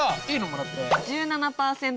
もらって。